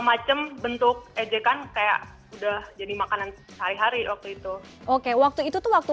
macem bentuk ejekan kayak udah jadi makanan sehari hari waktu itu oke waktu itu tuh waktu